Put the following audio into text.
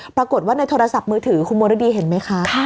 ปรากฏว่าในโทรศัพท์มือถือคุณมรดีเห็นไหมคะ